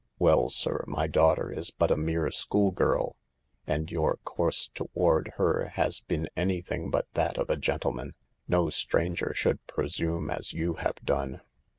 "Well, sir, my daughter is but a mere school girl, and your course toward her has been anything but that of a gentleman. No stranger should presume as you have done."